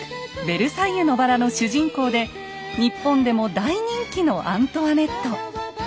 「ベルサイユのばら」の主人公で日本でも大人気のアントワネット。